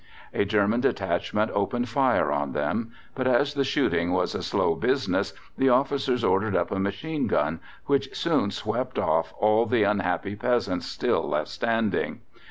A German detachment opened fire on them, but as the shooting was a slow business the officers ordered up a machine gun, which soon swept off all the unhappy peasants still left standing.